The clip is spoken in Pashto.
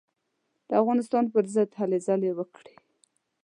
د افغانستان پر ضد هلې ځلې وکړې.